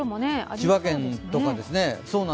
千葉県とかですね。